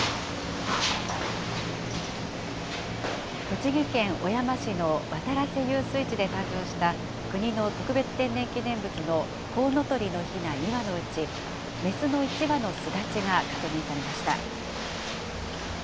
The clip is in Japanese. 栃木県小山市の渡良瀬遊水地で誕生した、国の特別天然記念物のコウノトリのひな２羽のうち、雌の１羽の巣立ちが確認されました。